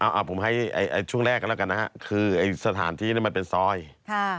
อะห้าผมให้ช่วงแรกกันแล้วกันนะครับคือสถานที่มันเป็นซอยค่ะ